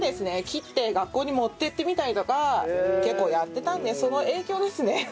切って学校に持っていってみたりとか結構やってたのでその影響ですね。